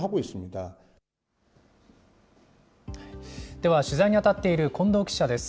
では、取材に当たっている近藤記者です。